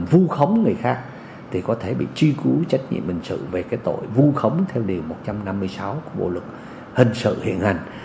vô khống người khác thì có thể bị truy cứu trách nhiệm bình sự về cái tội vô khống theo liều một trăm năm mươi sáu của bộ luật hình sự hiện hành